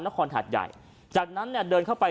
นครถัดใหญ่จากนั้นเดินเข้าไป